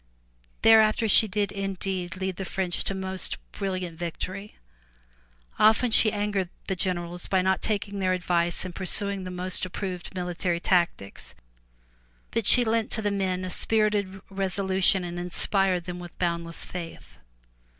'' Thereafter she did indeed lead the French to most brilliant victory. Often she angered the generals by not taking their advice and pursuing the most approved military tactics, but she lent to the men a spirited resolution and inspired them with boundless faith.